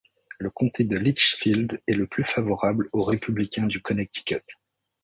Le comté de Litchfield est le plus favorable aux républicains du Connecticut.